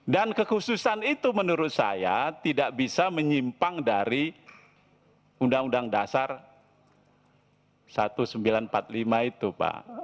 dan kekhususan itu menurut saya tidak bisa menyimpang dari undang undang dasar seribu sembilan ratus empat puluh lima itu pak